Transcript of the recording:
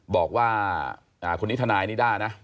บอกว่าคนนี้ทนายนิด้านะ